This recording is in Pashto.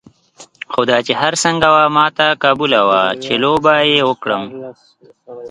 خو دا چې هر څنګه وه ما ته قبوله وه چې لوبه یې وکړم.